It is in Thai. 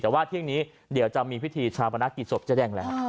แต่ว่าเที่ยงนี้เดี๋ยวจะมีพิธีชาปนกิจศพเจ๊แดงแล้ว